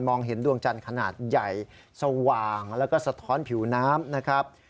เห็นดวงจันทร์ขนาดใหญ่สว่างแล้วก็สะท้อนผิวน้ำนะครับ